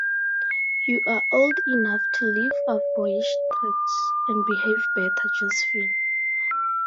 You are old enough to leave off boyish tricks, and behave better, Josephine.